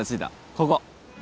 ここ。